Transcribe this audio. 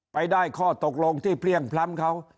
ไปได้ข้อตกลงที่เพลี่ยงพล้ำเขา